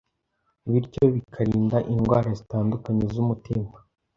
bityo bikarinda indwara zitandukanye z’umutima